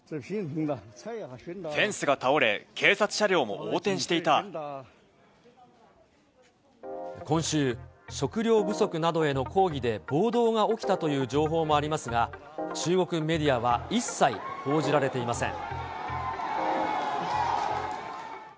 フェンスが倒れ、警察車両も今週、食料不足などへの抗議で暴動が起きたという情報もありますが、中国メディアは一切報じられていません。